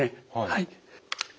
はい。